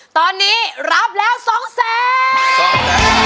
ตอนนี้รับแล้ว๒แสน